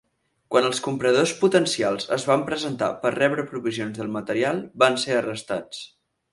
Quan els compradors potencials es van presentar per rebre provisions del material, van ser arrestats.